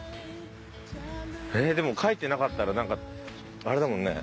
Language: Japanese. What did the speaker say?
えでも書いてなかったらなんかあれだもんね。